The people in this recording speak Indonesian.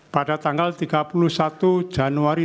pada tanggal tiga puluh satu januari